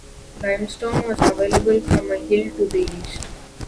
Limestone was available from a hill to the east.